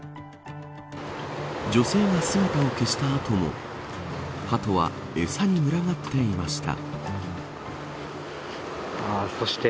女性が姿を消した後もハトは餌に群がっていました。